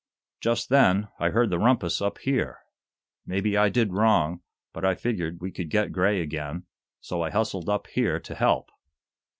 Just then I heard the rumpus up here. Maybe I did wrong, but I figured we could get Gray again, so I hustled up here to help."